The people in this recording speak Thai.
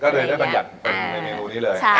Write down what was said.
ก็เลยได้ปัญหาเป็นในเมลูนี้เลย